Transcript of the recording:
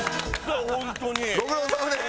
ご苦労さまです。